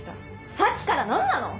さっきから何なの？